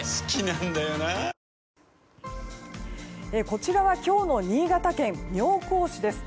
こちらは今日の新潟県妙高市です。